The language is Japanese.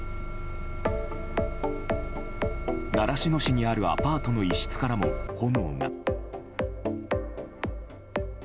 習志野市にあるアパートの一室からも炎が。